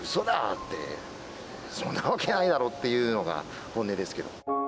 って、そんなわけないだろっていうのが本音ですけど。